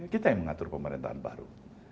kita yang mengatur pemerintahan baru